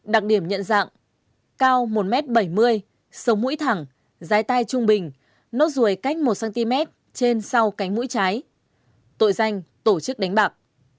đặc điểm nhận dạng cao một m bảy mươi sống mũi thẳng giái tay trung bình nốt ruồi cách một cm trên sau cánh mũi trái tội danh tổ chức đánh bạc